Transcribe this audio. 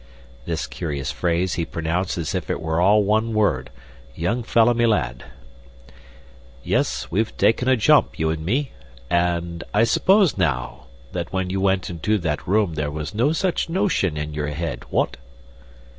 (This curious phrase he pronounced as if it were all one word "young fellah me lad.") "Yes, we've taken a jump, you an' me. I suppose, now, when you went into that room there was no such notion in your head what?"